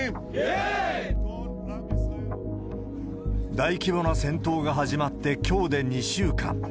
大規模な戦闘が始まって、きょうで２週間。